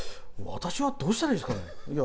私は、どうしたらいいですかね？